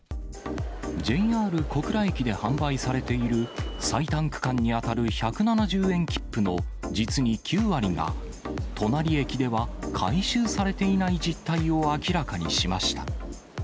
ＪＲ小倉駅で販売されている、最短区間に当たる１７０円切符の実に９割が、隣駅では回収されていない実態を明らかにしました。